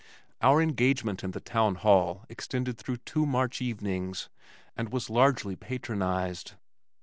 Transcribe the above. Our engagement in the town hall extended through two March evenings and was largely patronized.